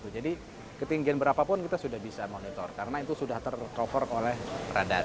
jadi ketinggian berapa pun kita sudah bisa monitor karena itu sudah ter cover oleh radar